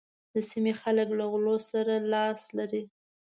د سيمې خلک له غلو سره لاس لري.